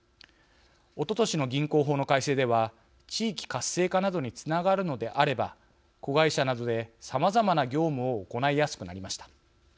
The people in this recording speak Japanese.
おととしの銀行法の改正では地域活性化などにつながるのであれば子会社などで、さまざまな業務を行いやすくなりました。